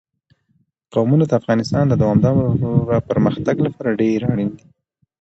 قومونه د افغانستان د دوامداره پرمختګ لپاره ډېر اړین دي.